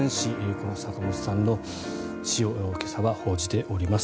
この坂本さんの死を今朝は報じております。